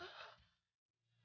jangan lagi sudah cukup